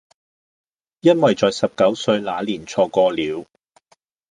因為在十九歲那年錯過了